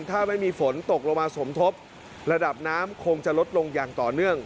ถ้าไม่มีฝนตกลงมาสมทบระดับน้ำคงจะลดลงอย่างต่อเนื่อง